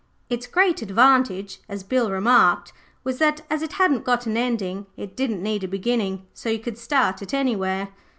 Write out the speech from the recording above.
Its great advantage, as Bill remarked, was that as it hadn't got an ending it didn't need a beginning, so you could start it anywhere.